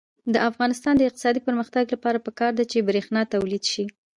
د افغانستان د اقتصادي پرمختګ لپاره پکار ده چې برښنا تولید شي.